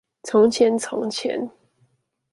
從前從前